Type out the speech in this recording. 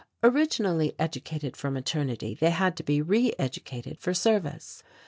Originally educated for maternity they had to be re educated for service.